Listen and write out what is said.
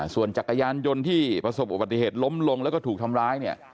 ส่วนจักรยานยนต์ที่ประสบอุบัติเหตุล้มลงแล้วก็ถูกทำร้ายเนี่ย